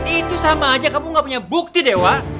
itu sama aja kamu gak punya bukti dewa